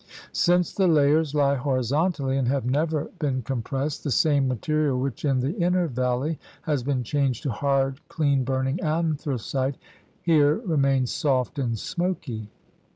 Since the layers lie horizontally and have never been compressed, the same material which in the inner valley has been changed to "hard, clean burning anthracite here remains soft and smoky.